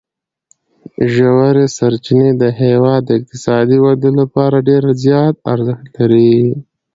ژورې سرچینې د هېواد د اقتصادي ودې لپاره ډېر زیات ارزښت لري.